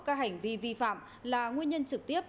các hành vi vi phạm là nguyên nhân trực tiếp